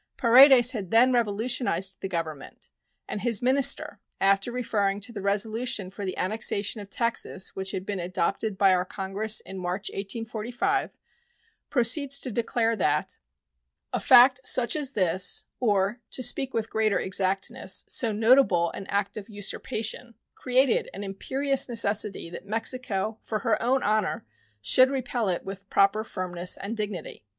Paredes had then revolutionized the Government, and his minister, after referring to the resolution for the annexation of Texas which had been adopted by our Congress in March, 1845, proceeds to declare that A fact such as this, or, to speak with greater exactness, so notable an act of usurpation, created an imperious necessity that Mexico, for her own honor, should repel it with proper firmness and dignity.